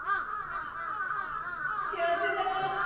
幸せだ。